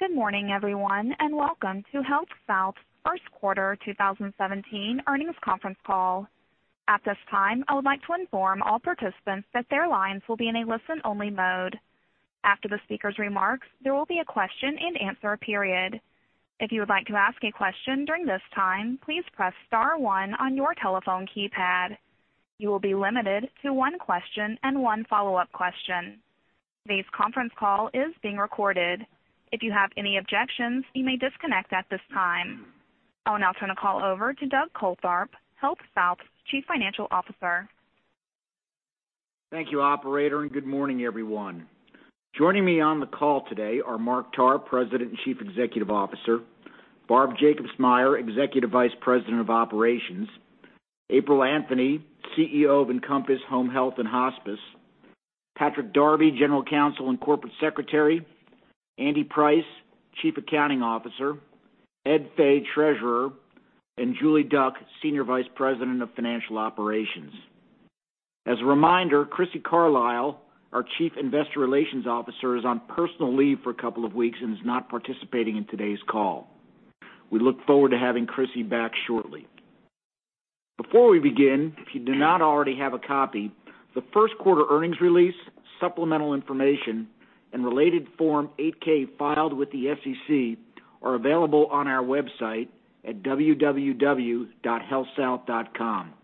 Good morning, everyone, and welcome to HealthSouth's first quarter 2017 earnings conference call. At this time, I would like to inform all participants that their lines will be in a listen-only mode. After the speaker's remarks, there will be a question-and-answer period. If you would like to ask a question during this time, please press star one on your telephone keypad. You will be limited to one question and one follow-up question. Today's conference call is being recorded. If you have any objections, you may disconnect at this time. I'll now turn the call over to Doug Coltharp, HealthSouth's Chief Financial Officer. Thank you, operator, and good morning, everyone. Joining me on the call today are Mark Tarr, President and Chief Executive Officer, Barb Jacobsmeyer, Executive Vice President of Operations, April Anthony, CEO of Encompass Home Health and Hospice, Patrick Darby, General Counsel and Corporate Secretary, Andy Price, Chief Accounting Officer, Ed Fay, Treasurer, and Julie Duck, Senior Vice President of Financial Operations. As a reminder, Crissy Carlisle, our Chief Investor Relations Officer, is on personal leave for a couple of weeks and is not participating in today's call. We look forward to having Crissy back shortly. Before we begin, if you do not already have a copy, the first quarter earnings release, supplemental information, and related Form 8-K filed with the SEC are available on our website at www.healthsouth.com.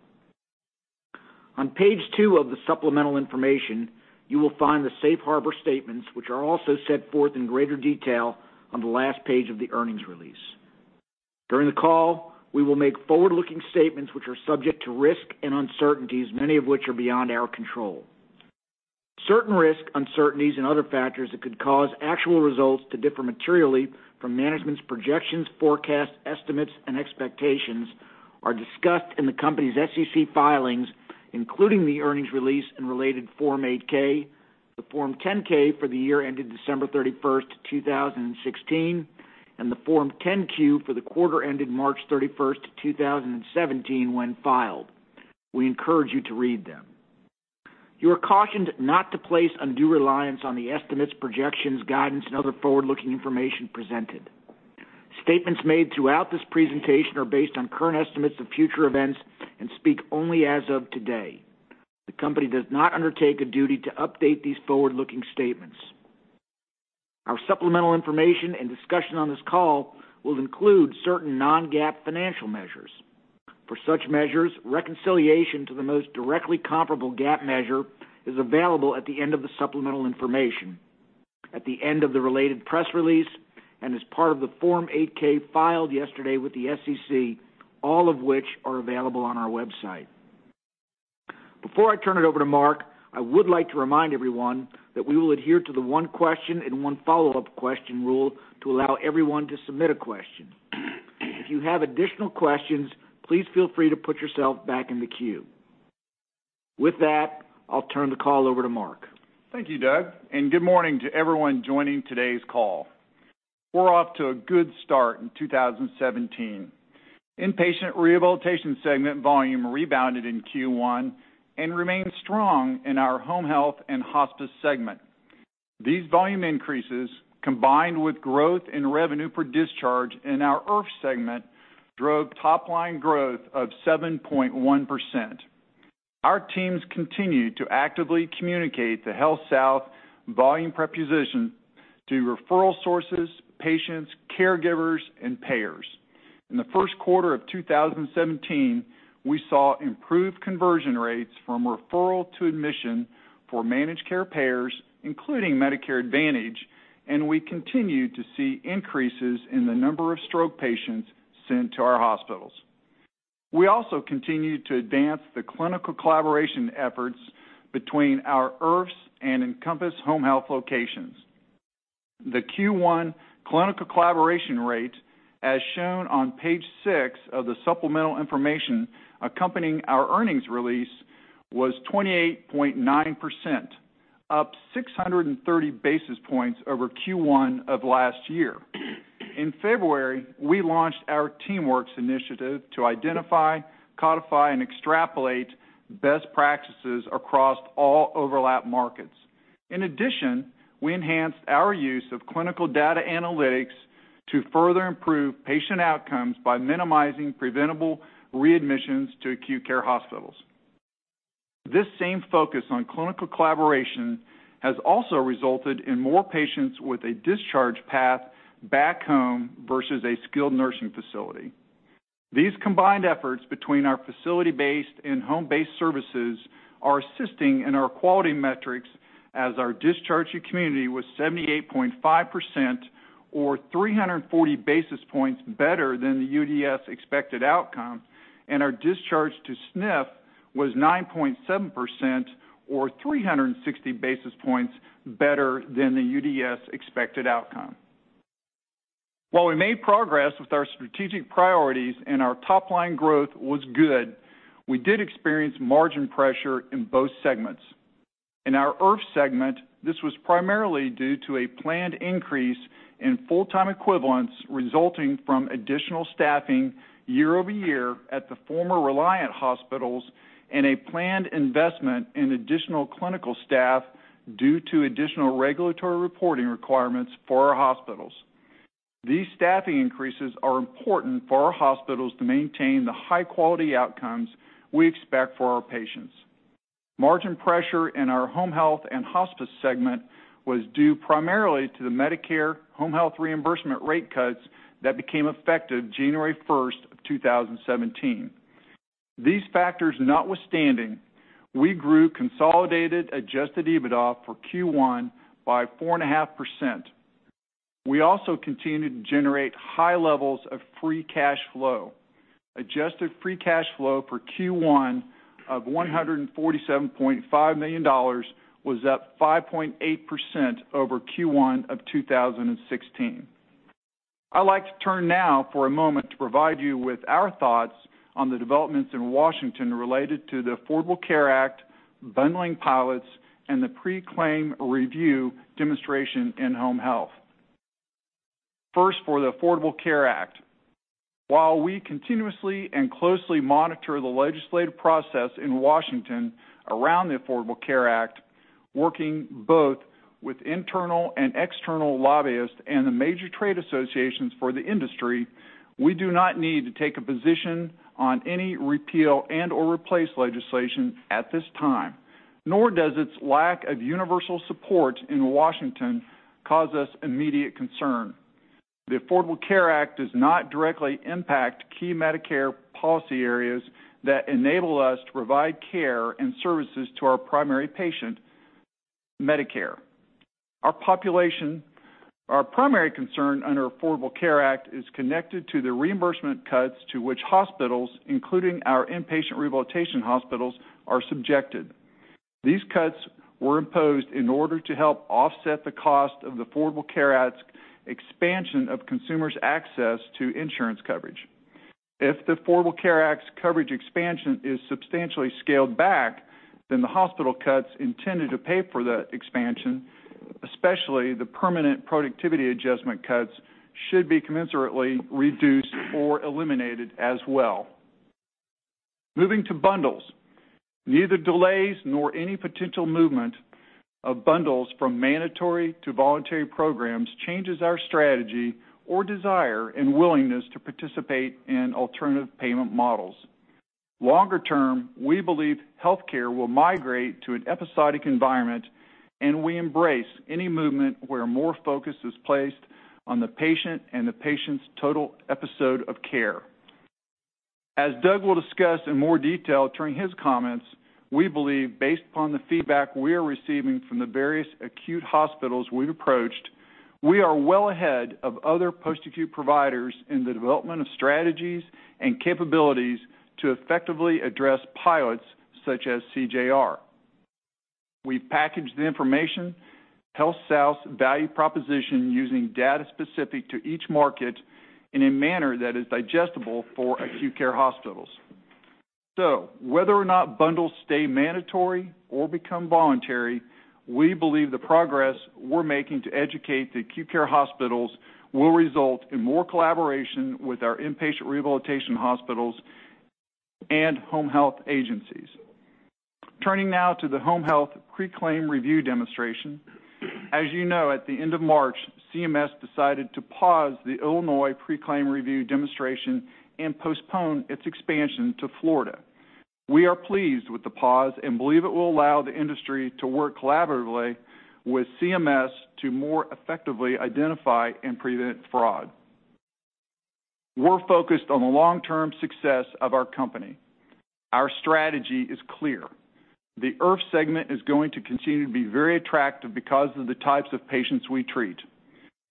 On page two of the supplemental information, you will find the safe harbor statements, which are also set forth in greater detail on the last page of the earnings release. During the call, we will make forward-looking statements which are subject to risk and uncertainties, many of which are beyond our control. Certain risks, uncertainties, and other factors that could cause actual results to differ materially from management's projections, forecasts, estimates, and expectations are discussed in the company's SEC filings, including the earnings release and related Form 8-K, the Form 10-K for the year ended December 31st, 2016, and the Form 10-Q for the quarter ended March 31st, 2017, when filed. We encourage you to read them. You are cautioned not to place undue reliance on the estimates, projections, guidance, and other forward-looking information presented. Statements made throughout this presentation are based on current estimates of future events and speak only as of today. The company does not undertake a duty to update these forward-looking statements. Our supplemental information and discussion on this call will include certain non-GAAP financial measures. For such measures, reconciliation to the most directly comparable GAAP measure is available at the end of the supplemental information, at the end of the related press release, and as part of the Form 8-K filed yesterday with the SEC, all of which are available on our website. Before I turn it over to Mark, I would like to remind everyone that we will adhere to the one question and one follow-up question rule to allow everyone to submit a question. If you have additional questions, please feel free to put yourself back in the queue. With that, I'll turn the call over to Mark. Thank you, Doug, and good morning to everyone joining today's call. We're off to a good start in 2017. Inpatient rehabilitation segment volume rebounded in Q1 and remained strong in our home health and hospice segment. These volume increases, combined with growth in revenue per discharge in our IRF segment, drove top-line growth of 7.1%. Our teams continue to actively communicate the HealthSouth volume proposition to referral sources, patients, caregivers, and payers. In the first quarter of 2017, we saw improved conversion rates from referral to admission for managed care payers, including Medicare Advantage, and we continue to see increases in the number of stroke patients sent to our hospitals. We also continue to advance the clinical collaboration efforts between our IRFs and Encompass Home Health locations. The Q1 clinical collaboration rate, as shown on page six of the supplemental information accompanying our earnings release, was 28.9%, up 630 basis points over Q1 of last year. In February, we launched our TeamWorks initiative to identify, codify, and extrapolate best practices across all overlap markets. We enhanced our use of clinical data analytics to further improve patient outcomes by minimizing preventable readmissions to acute care hospitals. This same focus on clinical collaboration has also resulted in more patients with a discharge path back home versus a skilled nursing facility. These combined efforts between our facility-based and home-based services are assisting in our quality metrics as our discharge to community was 78.5%, or 340 basis points better than the UDS expected outcome, and our discharge to SNF was 9.7%, or 360 basis points better than the UDS expected outcome. While we made progress with our strategic priorities and our top-line growth was good, we did experience margin pressure in both segments. In our IRF segment, this was primarily due to a planned increase in full-time equivalents resulting from additional staffing year-over-year at the former Reliant hospitals and a planned investment in additional clinical staff due to additional regulatory reporting requirements for our hospitals. These staffing increases are important for our hospitals to maintain the high-quality outcomes we expect for our patients. Margin pressure in our home health and hospice segment was due primarily to the Medicare home health reimbursement rate cuts that became effective January 1st, 2017. These factors notwithstanding, we grew consolidated adjusted EBITDA for Q1 by 4.5%. We also continued to generate high levels of free cash flow. Adjusted free cash flow for Q1 of $147.5 million was up 5.8% over Q1 of 2016. I'd like to turn now for a moment to provide you with our thoughts on the developments in Washington related to the Affordable Care Act, bundling pilots, and the pre-claim review demonstration in home health. First, for the Affordable Care Act. While we continuously and closely monitor the legislative process in Washington around the Affordable Care Act, working both with internal and external lobbyists and the major trade associations for the industry, we do not need to take a position on any repeal and/or replace legislation at this time, nor does its lack of universal support in Washington cause us immediate concern. The Affordable Care Act does not directly impact key Medicare policy areas that enable us to provide care and services to our primary patient, Medicare. Our primary concern under Affordable Care Act is connected to the reimbursement cuts to which hospitals, including our inpatient rehabilitation hospitals, are subjected. These cuts were imposed in order to help offset the cost of the Affordable Care Act's expansion of consumers' access to insurance coverage. If the Affordable Care Act's coverage expansion is substantially scaled back, then the hospital cuts intended to pay for the expansion, especially the permanent productivity adjustment cuts, should be commensurately reduced or eliminated as well. Moving to bundles. Neither delays nor any potential movement of bundles from mandatory to voluntary programs changes our strategy or desire and willingness to participate in alternative payment models. Longer term, we believe healthcare will migrate to an episodic environment, and we embrace any movement where more focus is placed on the patient and the patient's total episode of care. As Doug will discuss in more detail during his comments, we believe based upon the feedback we are receiving from the various acute hospitals we've approached, we are well ahead of other post-acute providers in the development of strategies and capabilities to effectively address pilots such as CJR. We package the information, HealthSouth's value proposition, using data specific to each market in a manner that is digestible for acute care hospitals. So whether or not bundles stay mandatory or become voluntary, we believe the progress we're making to educate the acute care hospitals will result in more collaboration with our inpatient rehabilitation hospitals and home health agencies. Turning now to the home health pre-claim review demonstration. As you know, at the end of March, CMS decided to pause the Illinois pre-claim review demonstration and postpone its expansion to Florida. We are pleased with the pause and believe it will allow the industry to work collaboratively with CMS to more effectively identify and prevent fraud. We're focused on the long-term success of our company. Our strategy is clear. The IRF segment is going to continue to be very attractive because of the types of patients we treat.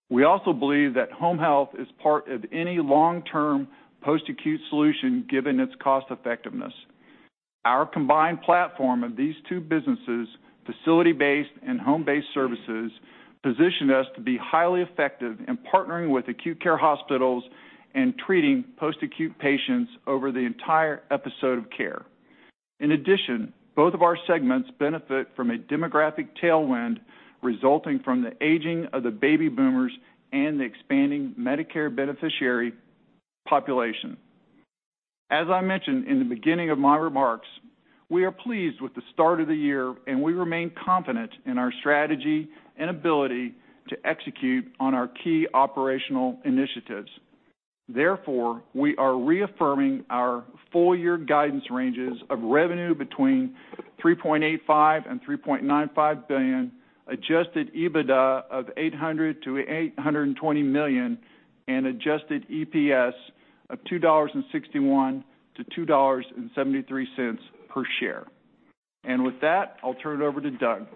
We also believe that home health is part of any long-term post-acute solution, given its cost-effectiveness. Our combined platform of these two businesses, facility-based and home-based services, position us to be highly effective in partnering with acute care hospitals and treating post-acute patients over the entire episode of care. In addition, both of our segments benefit from a demographic tailwind resulting from the aging of the baby boomers and the expanding Medicare beneficiary population. As I mentioned in the beginning of my remarks, we are pleased with the start of the year, and we remain confident in our strategy and ability to execute on our key operational initiatives. Therefore, we are reaffirming our full-year guidance ranges of revenue between $3.85 billion-$3.95 billion, adjusted EBITDA of $800 million-$820 million, and adjusted EPS of $2.61-$2.73 per share. With that, I'll turn it over to Doug.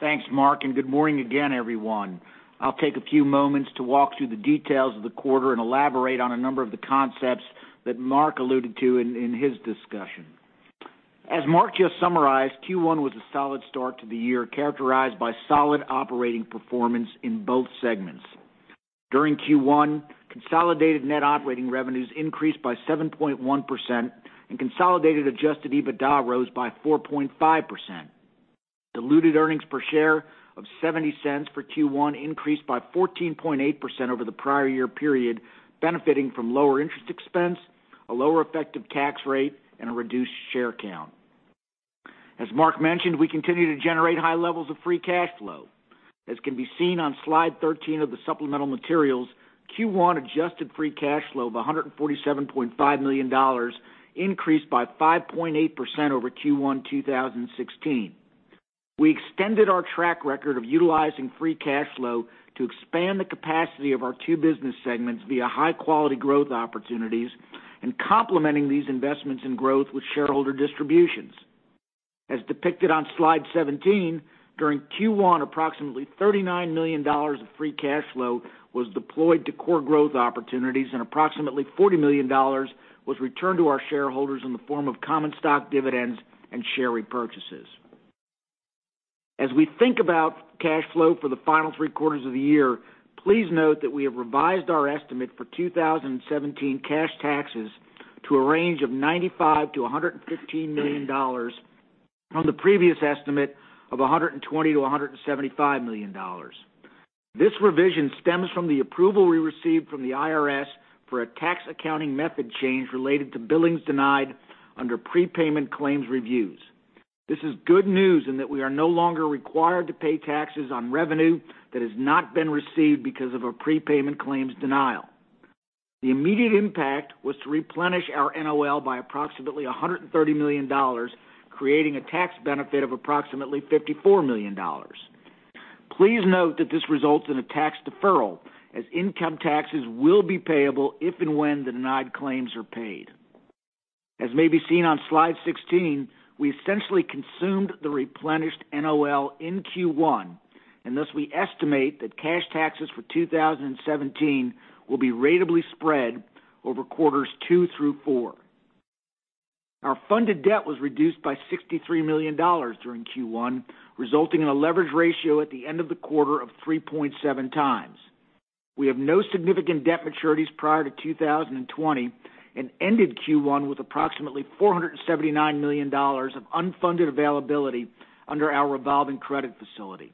Thanks, Mark. Good morning again, everyone. I'll take a few moments to walk through the details of the quarter and elaborate on a number of the concepts that Mark alluded to in his discussion. As Mark just summarized, Q1 was a solid start to the year, characterized by solid operating performance in both segments. During Q1, consolidated net operating revenues increased by 7.1%. Consolidated adjusted EBITDA rose by 4.5%. Diluted earnings per share of $0.70 for Q1 increased by 14.8% over the prior year period, benefiting from lower interest expense, a lower effective tax rate, and a reduced share count. As Mark mentioned, we continue to generate high levels of free cash flow. As can be seen on slide 13 of the supplemental materials, Q1 adjusted free cash flow of $147.5 million increased by 5.8% over Q1 2016. We extended our track record of utilizing free cash flow to expand the capacity of our two business segments via high-quality growth opportunities and complementing these investments in growth with shareholder distributions. As depicted on slide 17, during Q1, approximately $39 million of free cash flow was deployed to core growth opportunities. Approximately $40 million was returned to our shareholders in the form of common stock dividends and share repurchases. As we think about cash flow for the final three quarters of the year, please note that we have revised our estimate for 2017 cash taxes to a range of $95 million-$115 million from the previous estimate of $120 million-$175 million. This revision stems from the approval we received from the IRS for a tax accounting method change related to billings denied under prepayment claims reviews. This is good news in that we are no longer required to pay taxes on revenue that has not been received because of a prepayment claims denial. The immediate impact was to replenish our NOL by approximately $130 million, creating a tax benefit of approximately $54 million. Please note that this results in a tax deferral, as income taxes will be payable if and when the denied claims are paid. As may be seen on slide 16, we essentially consumed the replenished NOL in Q1. We estimate that cash taxes for 2017 will be ratably spread over quarters two through four. Our funded debt was reduced by $63 million during Q1, resulting in a leverage ratio at the end of the quarter of 3.7 times. We have no significant debt maturities prior to 2020. We ended Q1 with approximately $479 million of unfunded availability under our revolving credit facility.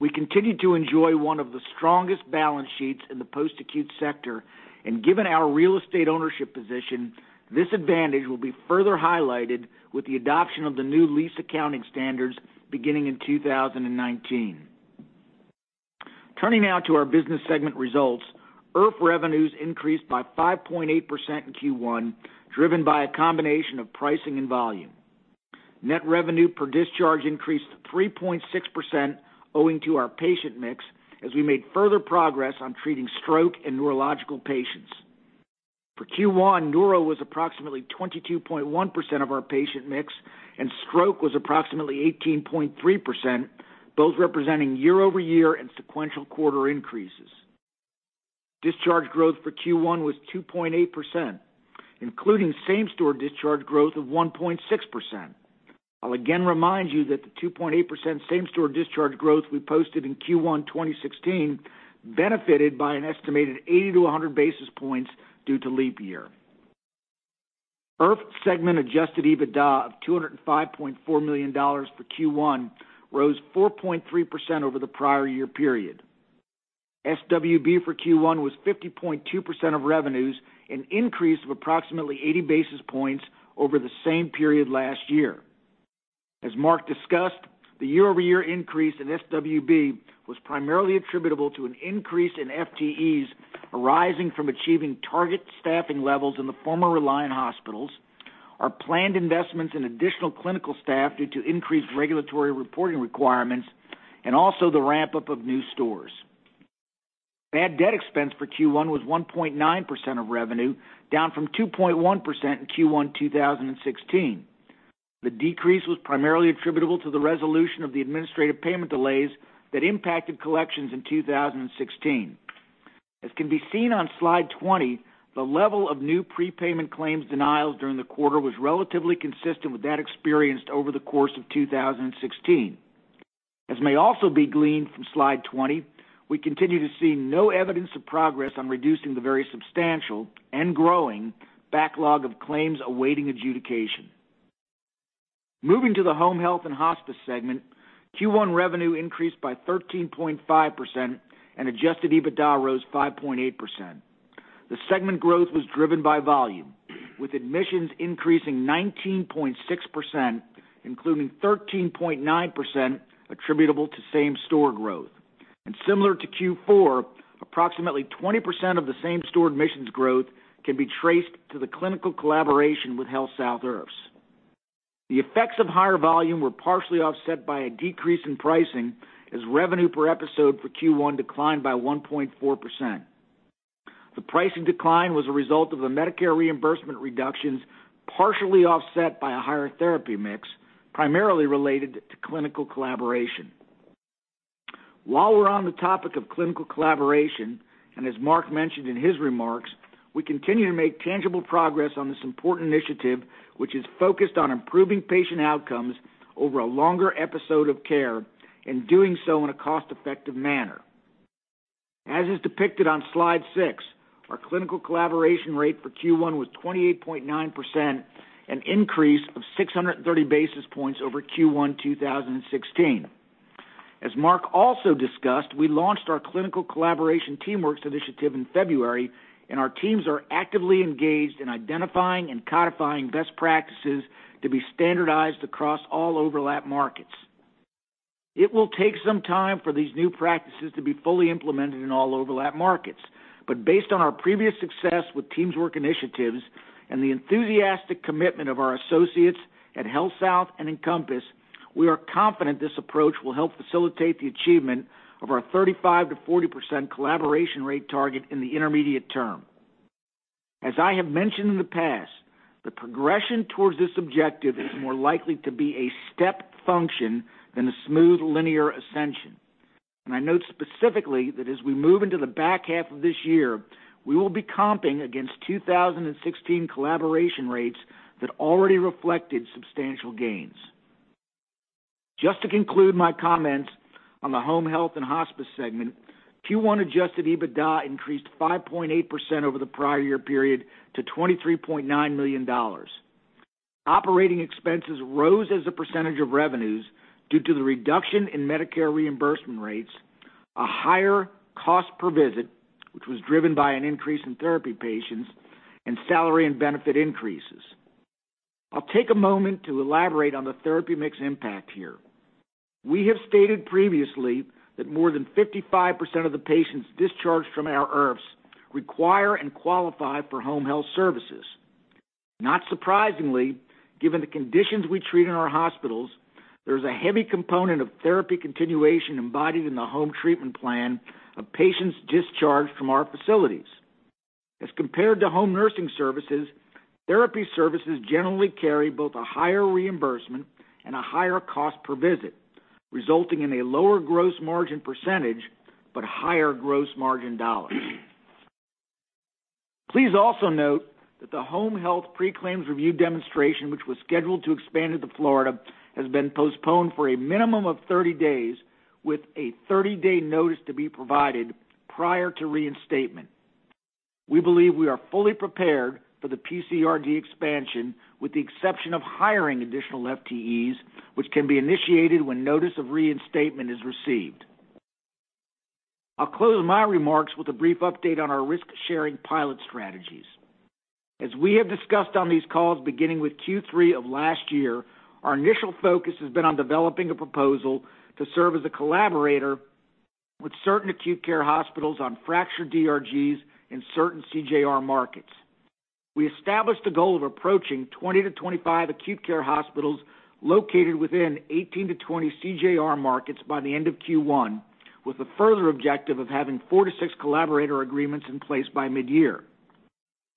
We continue to enjoy one of the strongest balance sheets in the post-acute sector. Given our real estate ownership position, this advantage will be further highlighted with the adoption of the new lease accounting standards beginning in 2019. Turning now to our business segment results, IRF revenues increased by 5.8% in Q1, driven by a combination of pricing and volume. Net revenue per discharge increased 3.6%, owing to our patient mix, as we made further progress on treating stroke and neurological patients. For Q1, neuro was approximately 22.1% of our patient mix. Stroke was approximately 18.3%, both representing year-over-year and sequential quarter increases. Discharge growth for Q1 was 2.8%, including same-store discharge growth of 1.6%. I'll again remind you that the 2.8% same-store discharge growth we posted in Q1 2016 benefited by an estimated 80 to 100 basis points due to leap year. IRF segment adjusted EBITDA of $205.4 million for Q1 rose 4.3% over the prior year period. SWB for Q1 was 50.2% of revenues, an increase of approximately 80 basis points over the same period last year. As Mark discussed, the year-over-year increase in SWB was primarily attributable to an increase in FTEs arising from achieving target staffing levels in the former Reliant hospitals, our planned investments in additional clinical staff due to increased regulatory reporting requirements, and also the ramp-up of new stores. Bad debt expense for Q1 was 1.9% of revenue, down from 2.1% in Q1 2016. The decrease was primarily attributable to the resolution of the administrative payment delays that impacted collections in 2016. As can be seen on slide 20, the level of new prepayment claims denials during the quarter was relatively consistent with that experienced over the course of 2016. As may also be gleaned from slide 20, we continue to see no evidence of progress on reducing the very substantial and growing backlog of claims awaiting adjudication. Moving to the home health and hospice segment, Q1 revenue increased by 13.5%, and adjusted EBITDA rose 5.8%. The segment growth was driven by volume, with admissions increasing 19.6%, including 13.9% attributable to same-store growth. Similar to Q4, approximately 20% of the same-store admissions growth can be traced to the clinical collaboration with HealthSouth IRFs. The effects of higher volume were partially offset by a decrease in pricing, as revenue per episode for Q1 declined by 1.4%. The pricing decline was a result of the Medicare reimbursement reductions, partially offset by a higher therapy mix, primarily related to clinical collaboration. While we're on the topic of clinical collaboration, and as Mark mentioned in his remarks, we continue to make tangible progress on this important initiative, which is focused on improving patient outcomes over a longer episode of care and doing so in a cost-effective manner. As is depicted on slide six, our clinical collaboration rate for Q1 was 28.9%, an increase of 630 basis points over Q1 2016. As Mark also discussed, we launched our Clinical Collaboration TeamWorks Initiative in February, and our teams are actively engaged in identifying and codifying best practices to be standardized across all overlap markets. It will take some time for these new practices to be fully implemented in all overlap markets. Based on our previous success with TeamWorks Initiatives and the enthusiastic commitment of our associates at HealthSouth and Encompass, we are confident this approach will help facilitate the achievement of our 35%-40% collaboration rate target in the intermediate term. As I have mentioned in the past, the progression towards this objective is more likely to be a step function than a smooth linear ascension. I note specifically that as we move into the back half of this year, we will be comping against 2016 collaboration rates that already reflected substantial gains. Just to conclude my comments on the home health and hospice segment, Q1 adjusted EBITDA increased 5.8% over the prior year period to $23.9 million. Operating expenses rose as a percentage of revenues due to the reduction in Medicare reimbursement rates, a higher cost per visit, which was driven by an increase in therapy patients, and salary and benefit increases. I'll take a moment to elaborate on the therapy mix impact here. We have stated previously that more than 55% of the patients discharged from our IRFs require and qualify for home health services. Not surprisingly, given the conditions we treat in our hospitals, there's a heavy component of therapy continuation embodied in the home treatment plan of patients discharged from our facilities. As compared to home nursing services, therapy services generally carry both a higher reimbursement and a higher cost per visit, resulting in a lower gross margin %, but higher gross margin $. Please also note that the home health pre-claims review demonstration, which was scheduled to expand into Florida, has been postponed for a minimum of 30 days, with a 30-day notice to be provided prior to reinstatement. We believe we are fully prepared for the PCRD expansion, with the exception of hiring additional FTEs, which can be initiated when notice of reinstatement is received. I'll close my remarks with a brief update on our risk-sharing pilot strategies. As we have discussed on these calls beginning with Q3 of last year, our initial focus has been on developing a proposal to serve as a collaborator with certain acute care hospitals on fractured DRGs in certain CJR markets. We established a goal of approaching 20-25 acute care hospitals located within 18-20 CJR markets by the end of Q1, with the further objective of having four to six collaborator agreements in place by mid-year.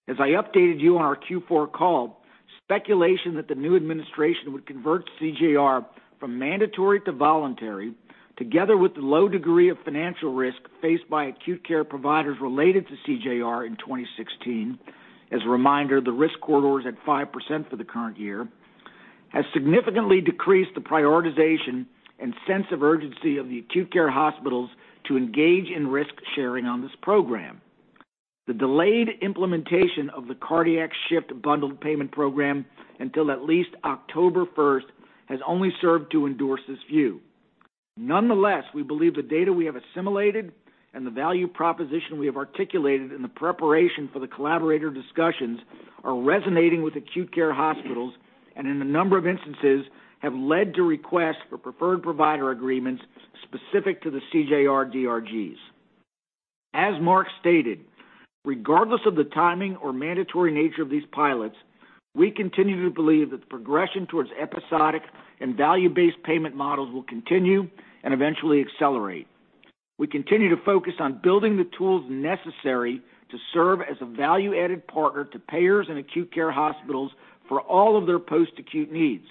As I updated you on our Q4 call, speculation that the new administration would convert CJR from mandatory to voluntary, together with the low degree of financial risk faced by acute care providers related to CJR in 2016, as a reminder, the risk corridor is at 5% for the current year, has significantly decreased the prioritization and sense of urgency of the acute care hospitals to engage in risk sharing on this program. The delayed implementation of the cardiac shift bundled payment program until at least October 1st has only served to endorse this view. Nonetheless, we believe the data we have assimilated and the value proposition we have articulated in the preparation for the collaborator discussions are resonating with acute care hospitals, and in a number of instances, have led to requests for preferred provider agreements specific to the CJR DRGs. As Mark stated, regardless of the timing or mandatory nature of these pilots, we continue to believe that the progression towards episodic and value-based payment models will continue and eventually accelerate. We continue to focus on building the tools necessary to serve as a value-added partner to payers and acute care hospitals for all of their post-acute needs.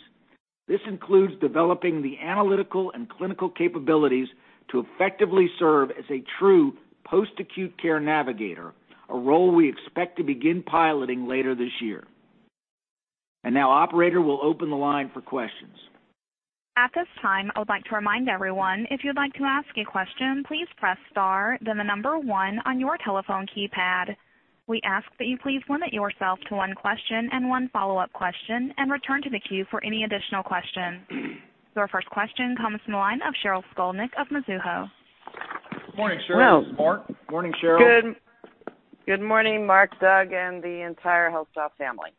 This includes developing the analytical and clinical capabilities to effectively serve as a true post-acute care navigator, a role we expect to begin piloting later this year. Operator will open the line for questions. At this time, I would like to remind everyone, if you'd like to ask a question, please press star, then the number one on your telephone keypad. We ask that you please limit yourself to one question and one follow-up question, and return to the queue for any additional questions. Your first question comes from the line of Sheryl Skolnick of Mizuho. Good morning, Sheryl. This is Mark. Morning, Sheryl. Good morning, Mark, Doug, and the entire HealthSouth family.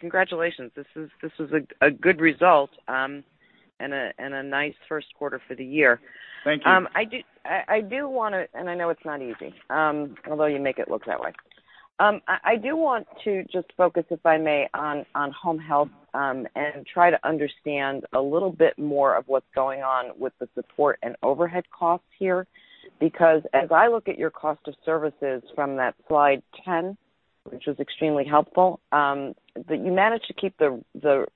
Congratulations. This is a good result and a nice first quarter for the year. Thank you. I know it's not easy, although you make it look that way. I do want to just focus, if I may, on home health, and try to understand a little bit more of what's going on with the support and overhead costs here. Because as I look at your cost of services from that slide 10, which was extremely helpful, that you managed to keep the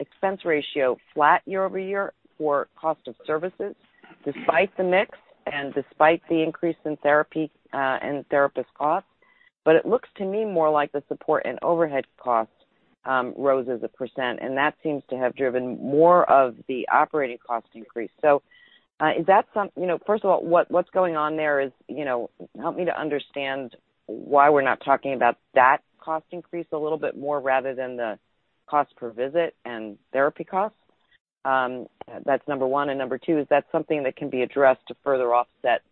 expense ratio flat year-over-year for cost of services despite the mix and despite the increase in therapy and therapist costs. It looks to me more like the support and overhead costs rose as a percent, and that seems to have driven more of the operating cost increase. First of all, what's going on there is, help me to understand why we're not talking about that cost increase a little bit more rather than the cost per visit and therapy costs. That's number one. Number two, is that something that can be addressed to further offset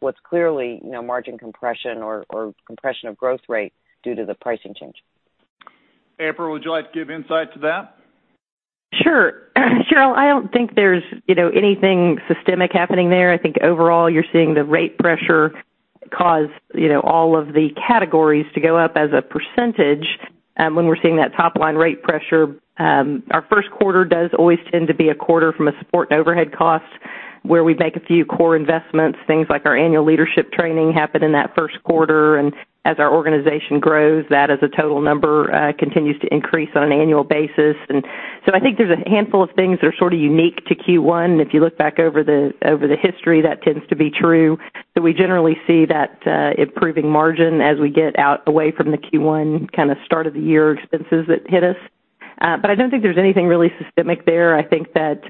what's clearly margin compression or compression of gross rate due to the pricing change? April, would you like to give insight to that? Sure. Sheryl, I don't think there's anything systemic happening there. I think overall you're seeing the rate pressure cause all of the categories to go up as a percentage. When we're seeing that top-line rate pressure, our first quarter does always tend to be a quarter from a support and overhead cost, where we make a few core investments. Things like our annual leadership training happen in that first quarter, and as our organization grows, that as a total number, continues to increase on an annual basis. I think there's a handful of things that are sort of unique to Q1. If you look back over the history, that tends to be true. We generally see that improving margin as we get out away from the Q1 kind of start of the year expenses that hit us. I don't think there's anything really systemic there. I think that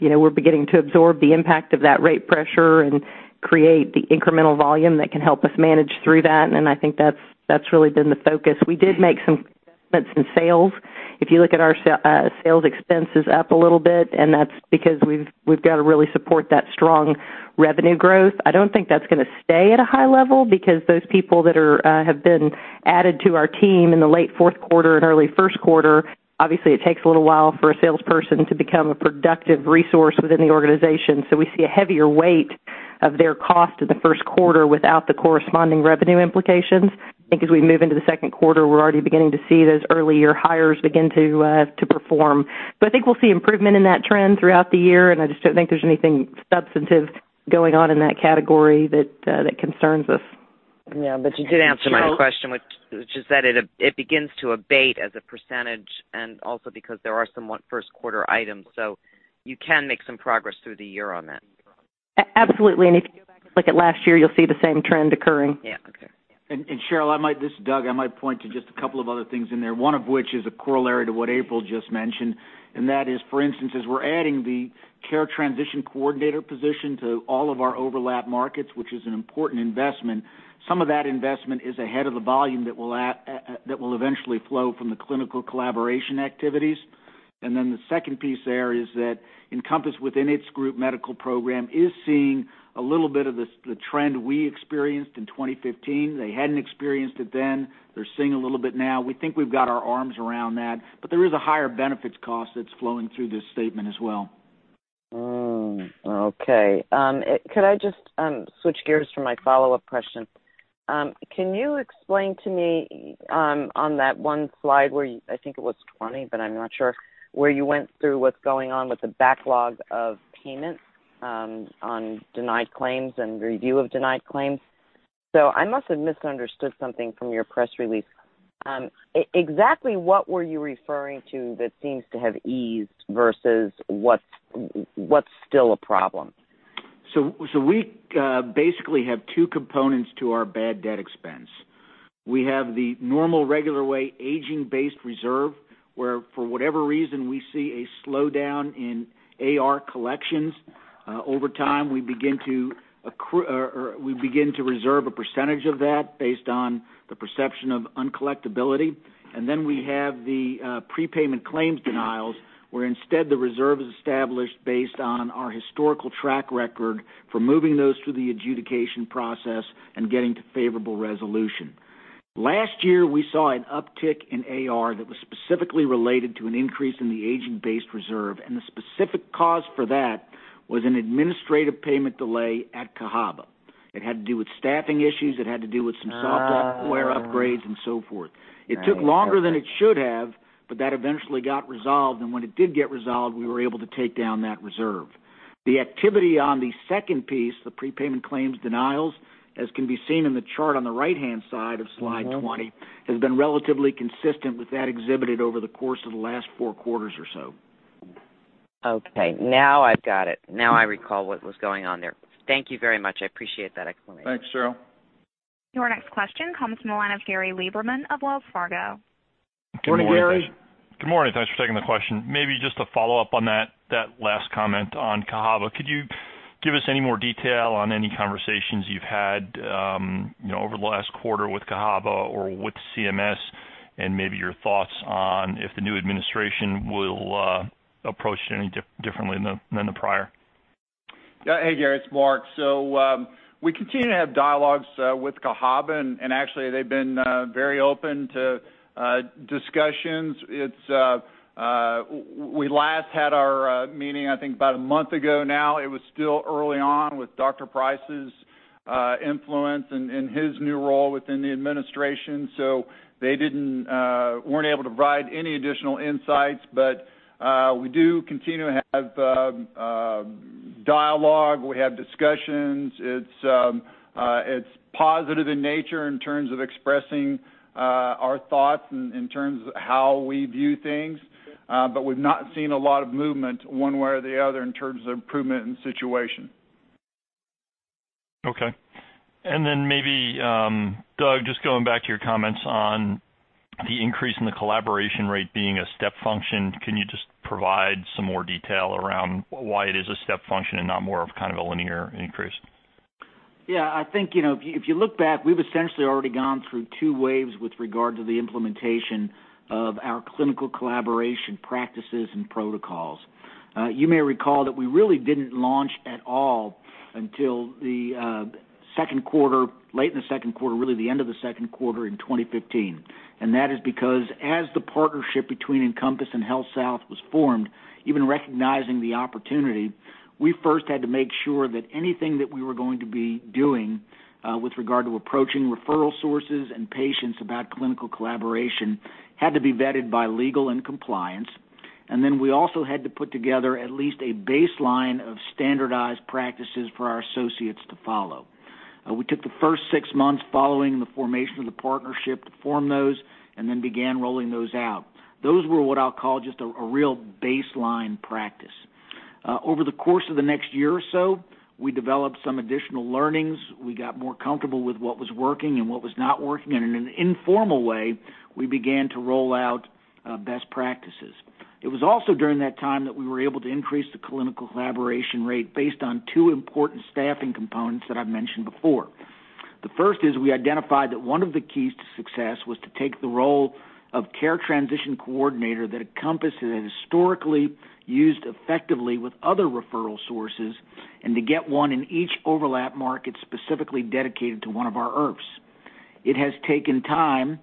we're beginning to absorb the impact of that rate pressure and create the incremental volume that can help us manage through that. I think that's really been the focus. We did make some investments in sales. If you look at our sales expense is up a little bit, that's because we've got to really support that strong revenue growth. I don't think that's going to stay at a high level because those people that have been added to our team in the late fourth quarter and early first quarter, obviously it takes a little while for a salesperson to become a productive resource within the organization. We see a heavier weight of their cost in the first quarter without the corresponding revenue implications. I think as we move into the second quarter, we're already beginning to see those earlier hires begin to perform. I think we'll see improvement in that trend throughout the year, and I just don't think there's anything substantive going on in that category that concerns us. You did answer my question, which is that it begins to abate as a % and also because there are somewhat first quarter items. You can make some progress through the year on that. Absolutely. If you go back and look at last year, you'll see the same trend occurring. Yeah. Okay. Sheryl, this is Doug. I might point to just a couple of other things in there, one of which is a corollary to what April just mentioned. That is, for instance, as we're adding the care transition coordinator position to all of our overlap markets, which is an important investment, some of that investment is ahead of the volume that will eventually flow from the clinical collaboration activities. The second piece there is that Encompass within its group medical program is seeing a little bit of the trend we experienced in 2015. They hadn't experienced it then. They're seeing a little bit now. We think we've got our arms around that. There is a higher benefits cost that's flowing through this statement as well. Okay. Could I just switch gears for my follow-up question? Can you explain to me on that one slide where I think it was 20, but I'm not sure, where you went through what's going on with the backlog of payments on denied claims and review of denied claims. I must have misunderstood something from your press release. Exactly what were you referring to that seems to have eased versus what's still a problem? We basically have two components to our bad debt expense. We have the normal, regular way aging-based reserve, where for whatever reason, we see a slowdown in AR collections. Over time, we begin to reserve a percentage of that based on the perception of uncollectibility. We have the prepayment claims denials, where instead the reserve is established based on our historical track record for moving those through the adjudication process and getting to favorable resolution. Last year, we saw an uptick in AR that was specifically related to an increase in the aging-based reserve, the specific cause for that was an administrative payment delay at Cahaba. It had to do with staffing issues. It had to do with some software upgrades and so forth. Oh. It took longer than it should have, that eventually got resolved, when it did get resolved, we were able to take down that reserve. The activity on the second piece, the prepayment claims denials, as can be seen in the chart on the right-hand side of slide 20, has been relatively consistent with that exhibited over the course of the last four quarters or so. Okay, now I've got it. Now I recall what was going on there. Thank you very much. I appreciate that explanation. Thanks, Sheryl. Your next question comes from the line of Gary Liberman of Wells Fargo. Good morning, Gary. Good morning. Good morning. Thanks for taking the question. Maybe just to follow up on that last comment on Cahaba. Could you give us any more detail on any conversations you've had over the last quarter with Cahaba or with CMS and maybe your thoughts on if the new administration will approach it any differently than the prior? Hey, Gary, it's Mark. We continue to have dialogues with Cahaba, actually they've been very open to discussions. We last had our meeting, I think about a month ago now. It was still early on with Dr. Price's influence and his new role within the administration. They weren't able to provide any additional insights. We do continue to have dialogue. We have discussions. It's positive in nature in terms of expressing our thoughts and in terms of how we view things. We've not seen a lot of movement one way or the other in terms of improvement in situation. Okay. Maybe, Doug, just going back to your comments on the increase in the collaboration rate being a step function, can you just provide some more detail around why it is a step function and not more of a linear increase? I think, if you look back, we've essentially already gone through two waves with regard to the implementation of our clinical collaboration practices and protocols. You may recall that we really didn't launch at all until late in the second quarter, really the end of the second quarter in 2015. That is because as the partnership between Encompass and HealthSouth was formed, even recognizing the opportunity, we first had to make sure that anything that we were going to be doing, with regard to approaching referral sources and patients about clinical collaboration, had to be vetted by legal and compliance. We also had to put together at least a baseline of standardized practices for our associates to follow. We took the first six months following the formation of the partnership to form those, then began rolling those out. Those were what I'll call just a real baseline practice. Over the course of the next year or so, we developed some additional learnings. We got more comfortable with what was working and what was not working, in an informal way, we began to roll out best practices. It was also during that time that we were able to increase the clinical collaboration rate based on two important staffing components that I've mentioned before. The first is we identified that one of the keys to success was to take the role of care transition coordinator that Encompass had historically used effectively with other referral sources, to get one in each overlap market specifically dedicated to one of our IRFs. It has taken time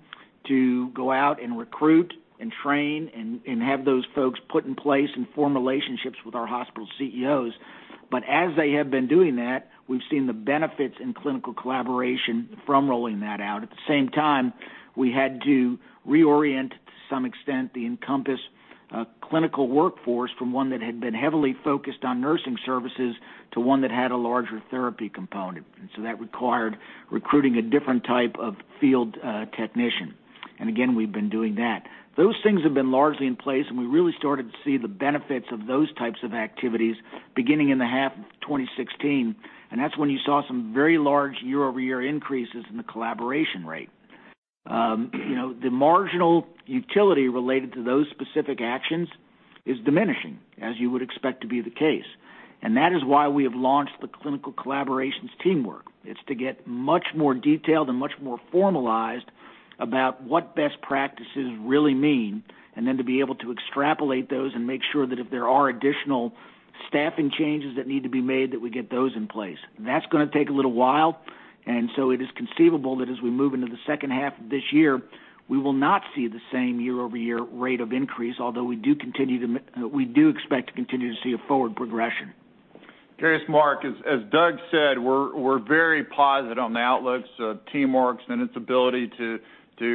to go out and recruit and train and have those folks put in place and form relationships with our hospital CEOs. As they have been doing that, we've seen the benefits in clinical collaboration from rolling that out. At the same time, we had to reorient, to some extent, the Encompass clinical workforce from one that had been heavily focused on nursing services to one that had a larger therapy component. That required recruiting a different type of field technician. We've been doing that. Those things have been largely in place, we really started to see the benefits of those types of activities beginning in the half of 2016, and that's when you saw some very large year-over-year increases in the collaboration rate. The marginal utility related to those specific actions is diminishing, as you would expect to be the case. That is why we have launched the clinical collaborations TeamWorks. It's to get much more detailed and much more formalized about what best practices really mean. Then to be able to extrapolate those and make sure that if there are additional staffing changes that need to be made, that we get those in place. That's going to take a little while. So it is conceivable that as we move into the second half of this year, we will not see the same year-over-year rate of increase, although we do expect to continue to see a forward progression. Gary, it's Mark. As Doug said, we're very positive on the outlooks of TeamWorks and its ability to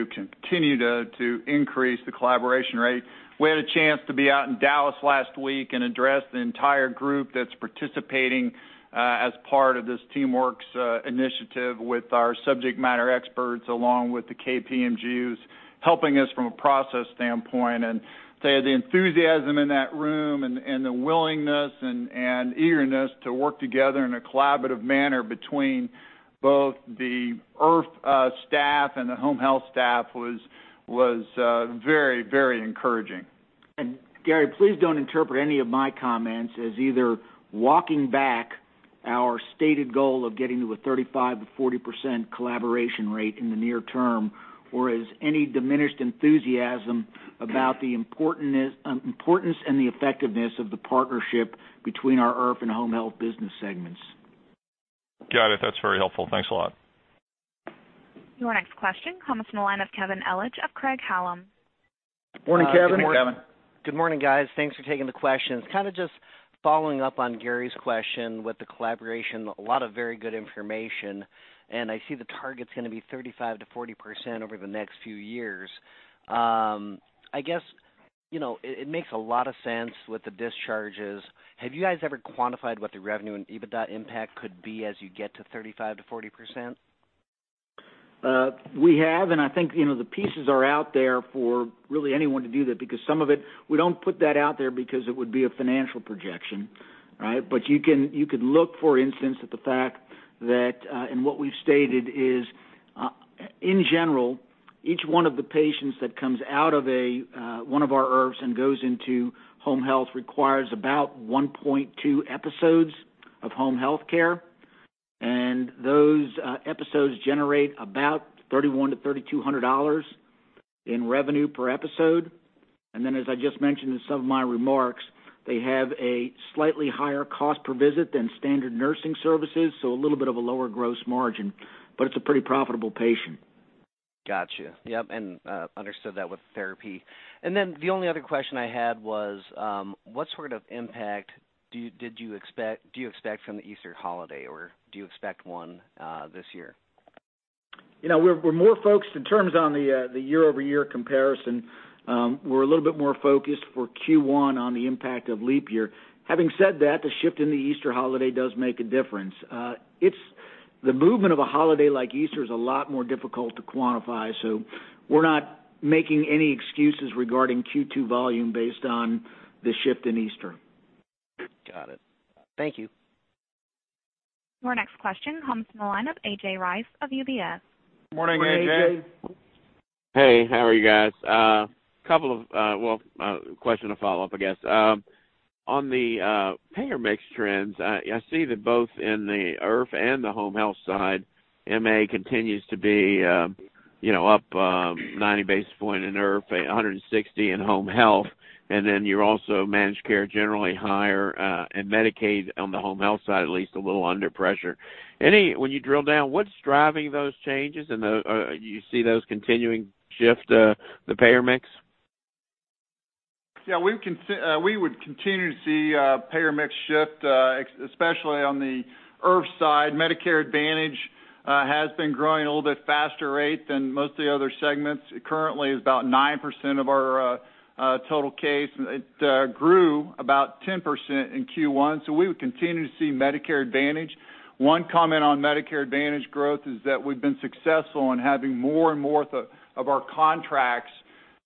continue to increase the collaboration rate. We had a chance to be out in Dallas last week and address the entire group that's participating as part of this TeamWorks initiative with our subject matter experts, along with the KPMG, helping us from a process standpoint. The enthusiasm in that room and the willingness and eagerness to work together in a collaborative manner between both the IRF staff and the home health staff was very encouraging. Gary, please don't interpret any of my comments as either walking back our stated goal of getting to a 35%-40% collaboration rate in the near term, or as any diminished enthusiasm about the importance and the effectiveness of the partnership between our IRF and home health business segments. Got it. That's very helpful. Thanks a lot. Your next question comes from the line of Kevin Ellig of Craig-Hallum. Morning, Kevin. Morning, Kevin. Good morning, guys. Thanks for taking the questions. Kind of just following up on Tuvia's question with the collaboration, a lot of very good information, and I see the target's going to be 35%-40% over the next few years. I guess, it makes a lot of sense with the discharges. Have you guys ever quantified what the revenue and EBITDA impact could be as you get to 35%-40%? We have, and I think, the pieces are out there for really anyone to do that, because some of it, we don't put that out there because it would be a financial projection, right? You could look, for instance, at the fact that, and what we've stated is, in general, each one of the patients that comes out of one of our IRFs and goes into home health requires about 1.2 episodes of home healthcare. Those episodes generate about $3,100-$3,200 in revenue per episode. Then, as I just mentioned in some of my remarks, they have a slightly higher cost per visit than standard nursing services, so a little bit of a lower gross margin. It's a pretty profitable patient. Got you. Yep, understood that with therapy. Then the only other question I had was, what sort of impact do you expect from the Easter holiday, or do you expect one this year? We're more focused in terms on the year-over-year comparison. We're a little bit more focused for Q1 on the impact of leap year. Having said that, the shift in the Easter holiday does make a difference. The movement of a holiday like Easter is a lot more difficult to quantify, we're not making any excuses regarding Q2 volume based on the shift in Easter. Got it. Thank you. Our next question comes from the line of A.J. Rice of UBS. Morning, A.J. Morning, A.J. Hey, how are you guys? Well, question to follow up, I guess. On the payer mix trends, I see that both in the IRF and the home health side, MA continues to be up 90 basis points in IRF, 160 in home health, and then your also managed care generally higher, and Medicaid on the home health side, at least a little under pressure. When you drill down, what's driving those changes and you see those continuing shift the payer mix? We would continue to see payer mix shift, especially on the IRF side. Medicare Advantage has been growing a little bit faster rate than most of the other segments. Currently it's about 9% of our total case. It grew about 10% in Q1. We would continue to see Medicare Advantage. One comment on Medicare Advantage growth is that we've been successful in having more and more of our contracts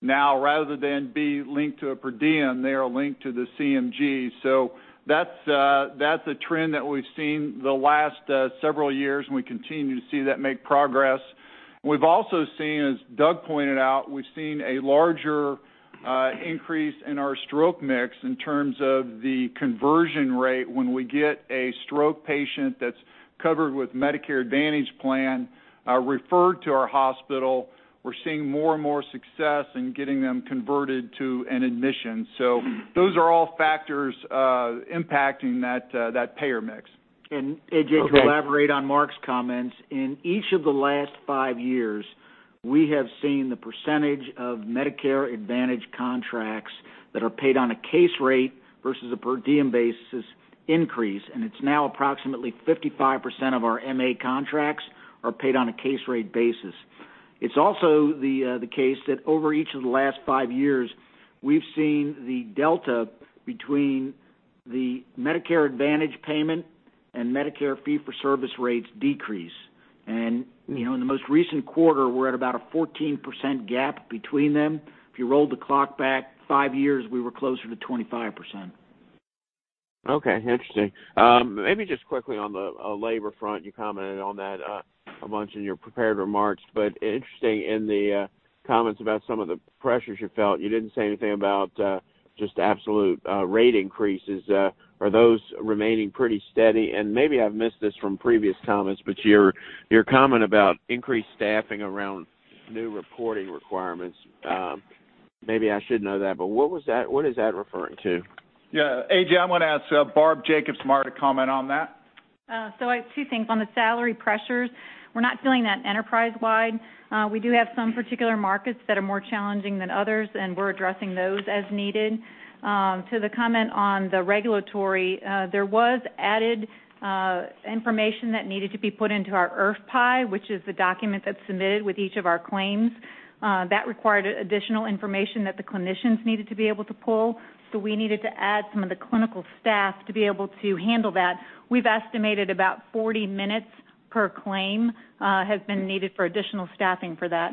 now, rather than be linked to a per diem, they are linked to the CMG. That's a trend that we've seen the last several years, and we continue to see that make progress. We've also seen, as Doug pointed out, we've seen a larger increase in our stroke mix in terms of the conversion rate when we get a stroke patient that's covered with Medicare Advantage Plan referred to our hospital. We're seeing more and more success in getting them converted to an admission. Those are all factors impacting that payer mix. A.J., to elaborate on Mark's comments. In each of the last five years, we have seen the percentage of Medicare Advantage contracts that are paid on a case rate versus a per diem basis increase, and it's now approximately 55% of our MA contracts are paid on a case rate basis. It's also the case that over each of the last five years, we've seen the delta between the Medicare Advantage payment and Medicare fee-for-service rates decrease. In the most recent quarter, we're at about a 14% gap between them. If you rolled the clock back five years, we were closer to 25%. Okay, interesting. Maybe just quickly on the labor front, you commented on that a bunch in your prepared remarks, but interesting in the comments about some of the pressures you felt, you didn't say anything about just absolute rate increases. Are those remaining pretty steady? Maybe I've missed this from previous comments, but your comment about increased staffing around new reporting requirements. Maybe I should know that, but what is that referring to? Yeah, A.J., I'm going to ask Barb Jacobsmeyer to comment on that. Two things. On the salary pressures, we're not feeling that enterprise-wide. We do have some particular markets that are more challenging than others, we're addressing those as needed. To the comment on the regulatory, there was added information that needed to be put into our IRF-PAI, which is the document that's submitted with each of our claims. That required additional information that the clinicians needed to be able to pull. We needed to add some of the clinical staff to be able to handle that. We've estimated about 40 minutes per claim has been needed for additional staffing for that.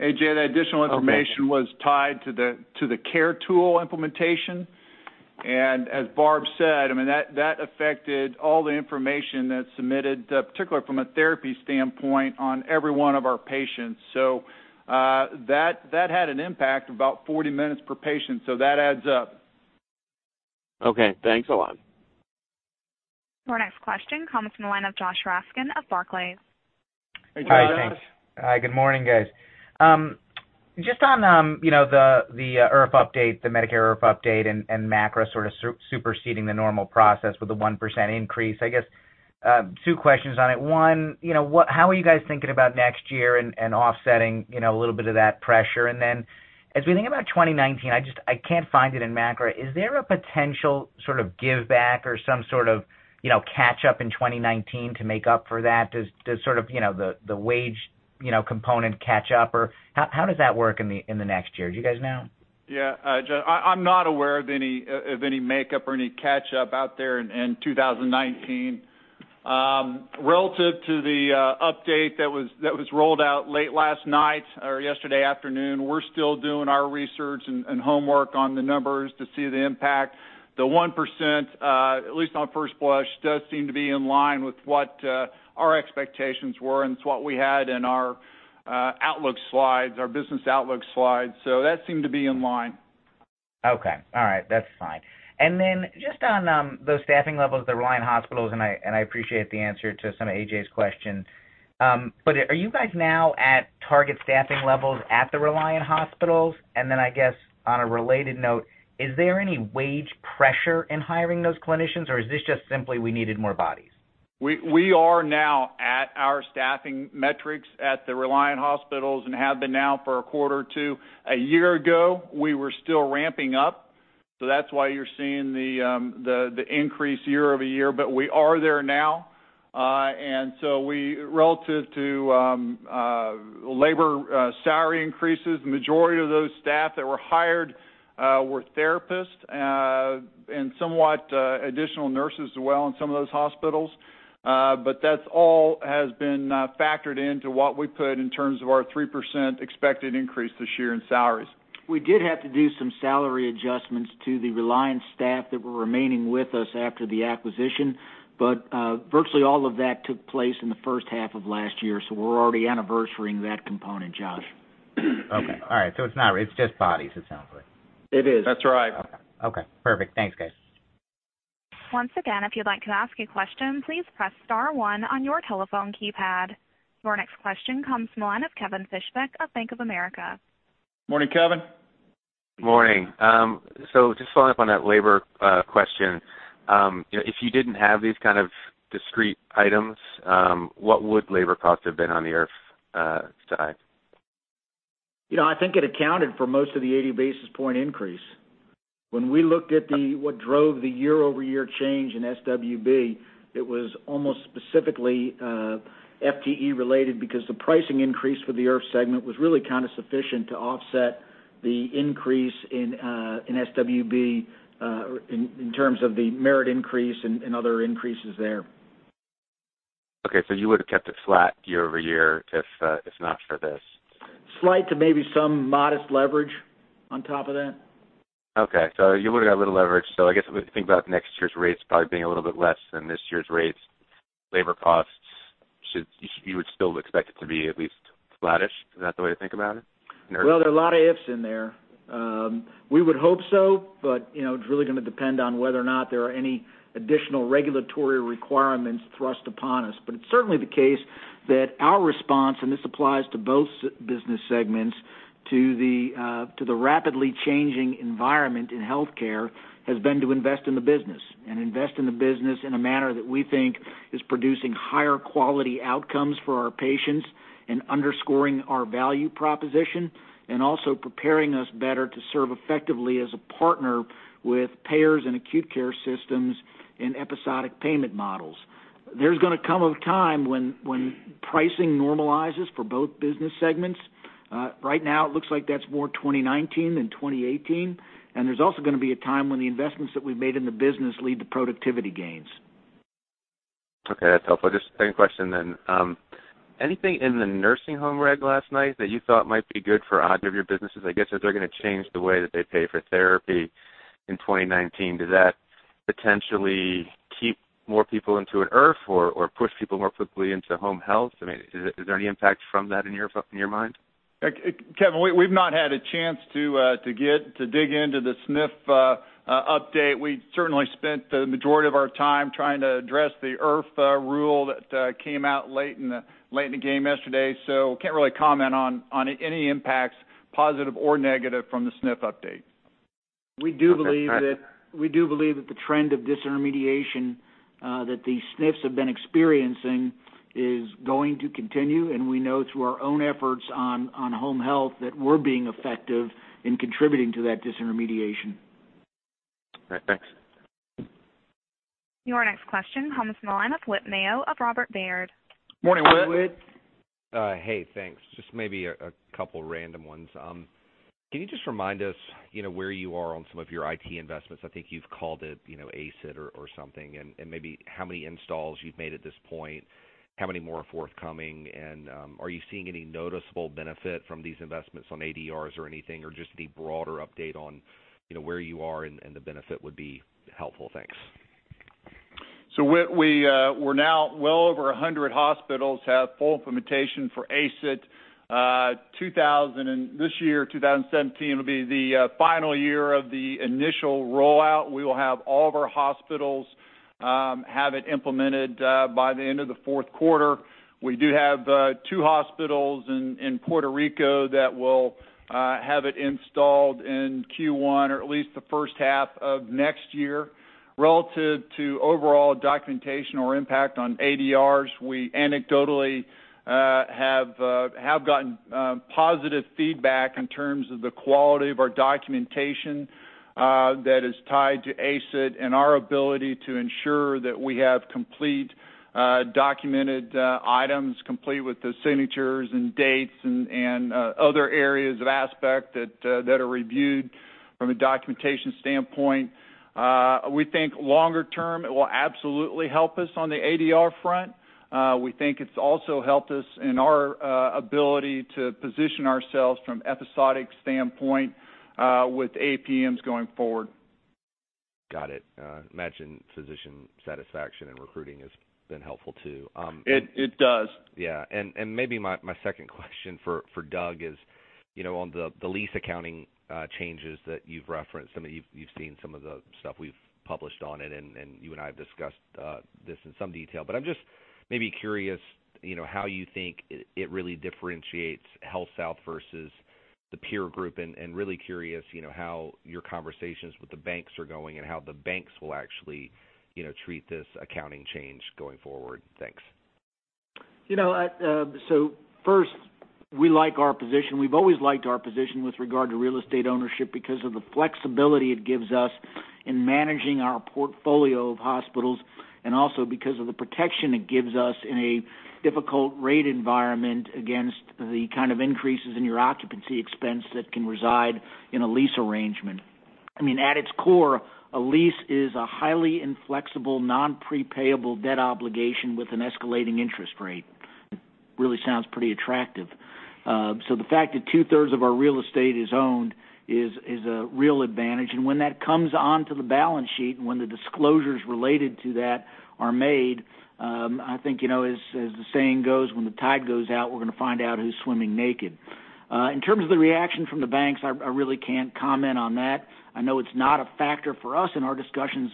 A.J., that additional information was tied to the CARE Tool implementation. As Barb said, that affected all the information that's submitted, particularly from a therapy standpoint on every one of our patients. That had an impact of about 40 minutes per patient, that adds up. Okay, thanks a lot. Our next question comes from the line of Joshua Raskin of Barclays. Hey, Josh. Hi. Hi, good morning, guys. Just on the IRF update, the Medicare IRF update and MACRA sort of superseding the normal process with a 1% increase, I guess two questions on it. One, how are you guys thinking about next year and offsetting a little bit of that pressure? And then as we think about 2019, I can't find it in MACRA, is there a potential sort of give back or some sort of catch up in 2019 to make up for that? Does the wage component catch up, or how does that work in the next year? Do you guys know? Yeah. Josh, I'm not aware of any makeup or any catch up out there in 2019. Relative to the update that was rolled out late last night or yesterday afternoon, we're still doing our research and homework on the numbers to see the impact. The 1%, at least on first blush, does seem to be in line with what our expectations were and it's what we had in our outlook slides, our business outlook slides. That seemed to be in line. Okay. All right. That's fine. Just on those staffing levels at the Reliant hospitals, and I appreciate the answer to some of A.J.'s questions, are you guys now at target staffing levels at the Reliant hospitals? I guess on a related note, is there any wage pressure in hiring those clinicians, or is this just simply we needed more bodies? We are now at our staffing metrics at the Reliant hospitals and have been now for a quarter or two. A year ago, we were still ramping up. That's why you're seeing the increase year-over-year. We are there now. Relative to labor salary increases, the majority of those staff that were hired were therapists, and somewhat additional nurses as well in some of those hospitals. That all has been factored into what we put in terms of our 3% expected increase this year in salaries. We did have to do some salary adjustments to the Reliant staff that were remaining with us after the acquisition. Virtually all of that took place in the first half of last year, so we're already anniversarying that component, Josh. Okay. All right. It's just bodies, it sounds like. It is. That's right. Okay. Perfect. Thanks, guys. Once again, if you'd like to ask a question, please press star one on your telephone keypad. Your next question comes from the line of Kevin Fischbeck of Bank of America. Morning, Kevin. Morning. Just following up on that labor question. If you didn't have these kind of discrete items, what would labor costs have been on the IRF side? I think it accounted for most of the 80 basis point increase. When we looked at what drove the year-over-year change in SWB, it was almost specifically FTE related because the pricing increase for the IRF segment was really kind of sufficient to offset the increase in SWB in terms of the merit increase and other increases there. Okay, you would've kept it flat year-over-year if not for this. Slight to maybe some modest leverage on top of that. Okay. You would've got a little leverage. I guess if we think about next year's rates probably being a little bit less than this year's rates, labor costs, you would still expect it to be at least flattish. Is that the way to think about it? Well, there are a lot of ifs in there. We would hope so, it's really going to depend on whether or not there are any additional regulatory requirements thrust upon us. It's certainly the case that our response, and this applies to both business segments, to the rapidly changing environment in healthcare, has been to invest in the business, and invest in the business in a manner that we think is producing higher quality outcomes for our patients and underscoring our value proposition, and also preparing us better to serve effectively as a partner with payers and acute care systems in episodic payment models. There's going to come a time when pricing normalizes for both business segments. Right now, it looks like that's more 2019 than 2018. There's also going to be a time when the investments that we've made in the business lead to productivity gains. Okay, that's helpful. Just second question then. Anything in the nursing home reg last night that you thought might be good for either of your businesses? I guess if they're going to change the way that they pay for therapy in 2019, does that potentially keep more people into an IRF or push people more quickly into home health? Is there any impact from that in your mind? Kevin, we've not had a chance to dig into the SNF update. We certainly spent the majority of our time trying to address the IRF rule that came out late in the game yesterday. Can't really comment on any impacts, positive or negative from the SNF update. We do believe that the trend of disintermediation that the SNFs have been experiencing is going to continue. We know through our own efforts on home health that we're being effective in contributing to that disintermediation. Right. Thanks. Your next question comes from the line of Whit Mayo of Robert Baird. Morning, Whit. Hey, Whit. Hey, thanks. Just maybe a couple random ones. Can you just remind us where you are on some of your IT investments? I think you've called it ACE IT or something. Maybe how many installs you've made at this point, how many more are forthcoming, and are you seeing any noticeable benefit from these investments on ADRs or anything, or just the broader update on where you are and the benefit would be helpful. Thanks. Whit, now well over 100 hospitals have full implementation for ACE IT. This year, 2017, will be the final year of the initial rollout. We will have all of our hospitals have it implemented by the end of the fourth quarter. We do have two hospitals in Puerto Rico that will have it installed in Q1 or at least the first half of next year. Relative to overall documentation or impact on ADRs, we anecdotally have gotten positive feedback in terms of the quality of our documentation that is tied to ACE IT and our ability to ensure that we have complete documented items, complete with the signatures and dates and other areas of aspect that are reviewed from a documentation standpoint. We think longer term, it will absolutely help us on the ADR front. We think it's also helped us in our ability to position ourselves from episodic standpoint with APMs going forward. Got it. I imagine physician satisfaction and recruiting has been helpful too. It does. Yeah. Maybe my second question for Doug is on the lease accounting changes that you've referenced, you've seen some of the stuff we've published on it and you and I have discussed this in some detail, but I'm just maybe curious how you think it really differentiates HealthSouth versus the peer group and really curious how your conversations with the banks are going and how the banks will actually treat this accounting change going forward. Thanks. First, we like our position. We've always liked our position with regard to real estate ownership because of the flexibility it gives us in managing our portfolio of hospitals and also because of the protection it gives us in a difficult rate environment against the kind of increases in your occupancy expense that can reside in a lease arrangement. At its core, a lease is a highly inflexible, non-prepayable debt obligation with an escalating interest rate. It really sounds pretty attractive. The fact that two-thirds of our real estate is owned is a real advantage, and when that comes onto the balance sheet and when the disclosures related to that are made, I think as the saying goes, when the tide goes out, we're going to find out who's swimming naked. In terms of the reaction from the banks, I really can't comment on that. I know it's not a factor for us in our discussions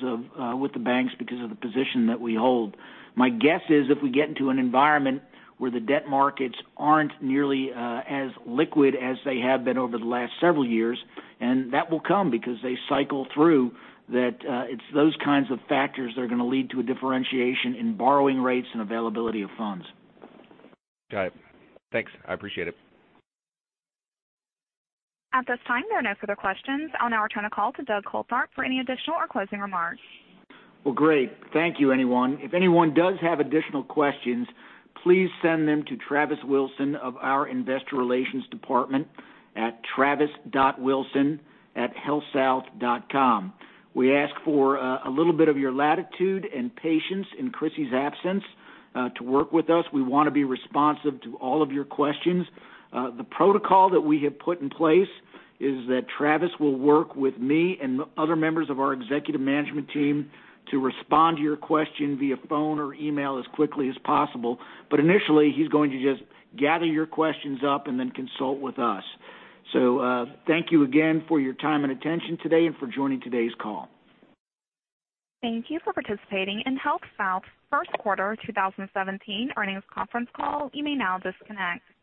with the banks because of the position that we hold. My guess is if we get into an environment where the debt markets aren't nearly as liquid as they have been over the last several years, and that will come because they cycle through, that it's those kinds of factors that are going to lead to a differentiation in borrowing rates and availability of funds. Got it. Thanks. I appreciate it. At this time, there are no further questions. I'll now return the call to Doug Coltharp for any additional or closing remarks. Great. Thank you, everyone. If anyone does have additional questions, please send them to Travis Wilson of our investor relations department at travis.wilson@healthsouth.com. We ask for a little bit of your latitude and patience in Crissy's absence to work with us. We want to be responsive to all of your questions. The protocol that we have put in place is that Travis will work with me and other members of our executive management team to respond to your question via phone or email as quickly as possible. Initially, he's going to just gather your questions up and then consult with us. Thank you again for your time and attention today and for joining today's call. Thank you for participating in HealthSouth's first quarter 2017 earnings conference call. You may now disconnect.